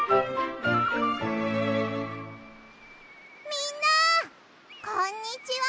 みんなこんにちは！